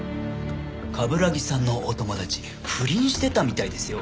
冠城さんのお友達不倫してたみたいですよ。